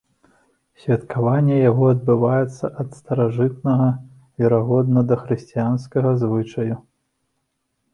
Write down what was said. Святкаванне яго адбываецца ад старажытнага, верагодна, дахрысціянскага звычаю.